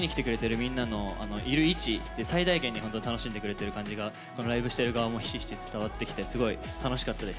みんなのいる位置で最大限に本当楽しんでくれてる感じがライブしてる側もひしひし伝わってきてすごい楽しかったです。